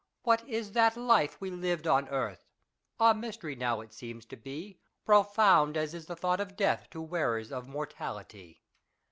What is that life we Lived on earth ? A mystery now it seems to be. Profound as is the thought of death, To wearers of mortality.